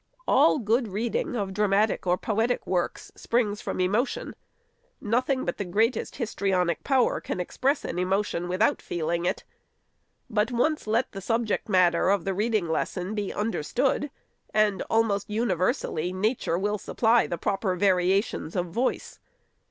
All good reading of dramatic or poetic works springs from emotion. Nothing but the greatest histrionic power can express an emotion without feeling it. But, once let the subject matter of the reading lesson be understood, and, almost universally, nature will supply the proper varia tions of voice.